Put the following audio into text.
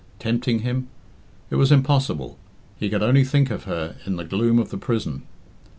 tempting him. It was impossible. He could only think of her in, the gloom of the prison.